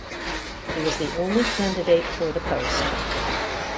He was the only candidate for the post.